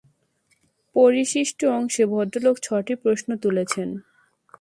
পরিশিষ্ট অংশে ভদ্রলোক ছটি প্রশ্ন তুলেছেন।